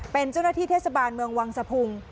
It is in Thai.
เป็นเจ้าหน้าที่เทศบาลเมืองวังสะพุง